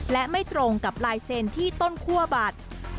และไม่ตรงกับลายเซ็นที่ต้นคั่วบัตร